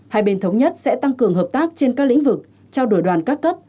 hai bên thống nhất sẽ tăng cường hợp tác trên các lĩnh vực trao đổi đoàn các cấp